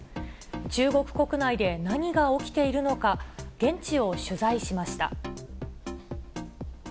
中国国内で何が起きているのか、現地を取材しました。